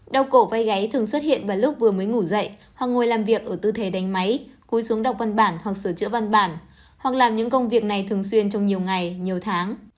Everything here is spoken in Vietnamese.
đau cổ váy gáy thường xuất hiện vào lúc vừa mới ngủ dậy hoặc ngồi làm việc ở tư thế đánh máy cúi xuống đọc văn bản hoặc sửa chữa văn bản hoặc làm những công việc này thường xuyên trong nhiều ngày nhiều tháng